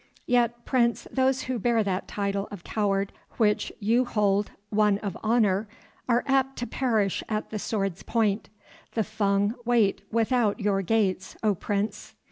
"Yet, Prince, those who bear that title of coward which you hold one of honour, are apt to perish 'at the sword's point.' The Fung wait without your gates, O Prince."